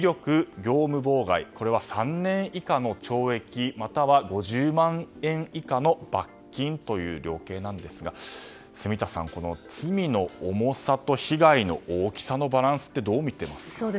これは３年以下の懲役または５０万円以下の罰金という量刑なんですが住田さん、罪の重さと被害の大きさのバランスってどう見ていますか？